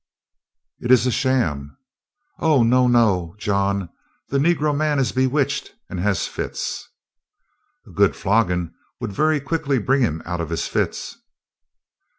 "It is a sham." "Oh, no, no! John, the negro man, is bewitched, and has fits." "A good flogging would very quickly bring him out of his fits."